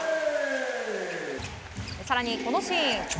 更に、このシーン。